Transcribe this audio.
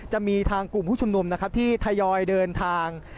จะมีทางกลุ่มผู้ชุมนุมนะครับที่ทยอยเดินทาง